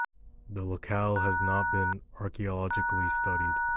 The locale has not been archaeologically studied.